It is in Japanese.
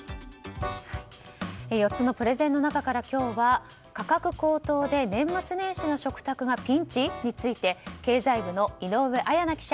４つのプレゼンの中から今日は価格高騰で年末年始の食卓がピンチ？について経済部の井上文那記者